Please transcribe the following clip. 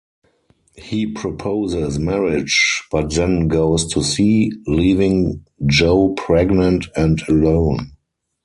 He proposes marriage but then goes to sea, leaving Jo pregnant and alone.